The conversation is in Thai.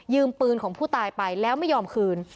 ปืนของผู้ตายไปแล้วไม่ยอมคืน